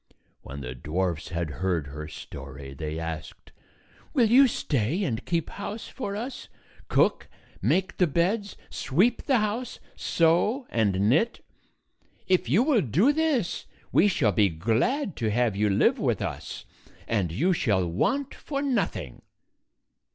When the dwarfs had heard her story, they asked, "Will you stay and keep house for us — cook, make the beds, sweep the house, sew and knit? If you will do this, we shall be glad to have you live with us, and you shall want for nothing."